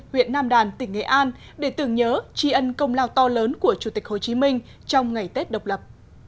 huyện nam đàn tỉnh nghệ an để tưởng nhớ tri ân công lao to lớn của chủ tịch hồ chí minh trong ngày tết độc lập